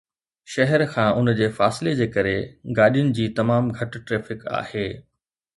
شهر کان ان جي فاصلي جي ڪري، گاڏين جي تمام گهٽ ٽرئفڪ آهي